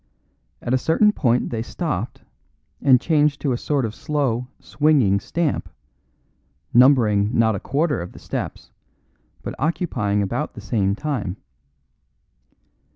At a certain point they stopped and changed to a sort of slow, swinging stamp, numbering not a quarter of the steps, but occupying about the same time.